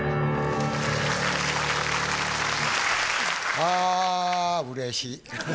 あうれしい。